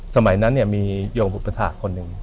สมัยนั้นเนี่ยมีโยงบุปริฐาคนหนึ่ง